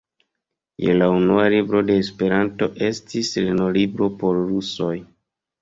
Ja la unua libro de Esperanto estis lerno-libro por rusoj.